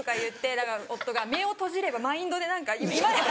だから夫が「目を閉じればマインドで何か」。